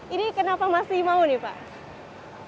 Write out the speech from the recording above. ini kenapa masih mau nih pak